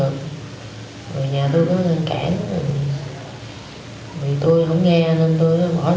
khi mà em thấy cân nghiệp